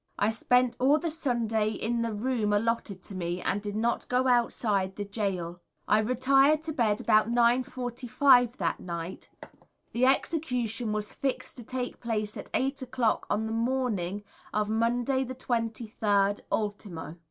I spent all the Sunday in the room allotted to me, and did not go outside the Gaol. I retired to bed about 9 45 that night. The execution was fixed to take place at eight o'clock on the morning of Monday the 23rd ultimo.